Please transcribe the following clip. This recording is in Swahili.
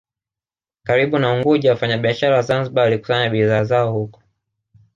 karibu na Unguja Wafanyabiashara wa Zanzibar walikusanya bidhaa zao huko